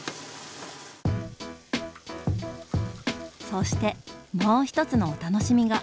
そしてもう１つのお楽しみが。